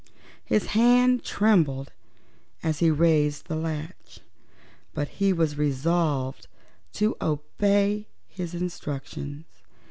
His hand trembled as he raised the latch, but he was resolved to obey his instructions.